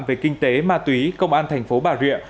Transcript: về kinh tế ma túy công an thành phố bà rịa